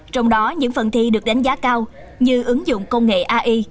trong đó những phần thi được đánh giá cao như ứng dụng công nghệ ai